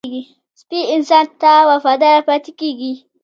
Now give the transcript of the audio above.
سپي انسان ته وفاداره پاتې کېږي.